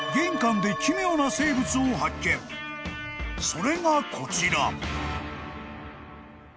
［それがこちら］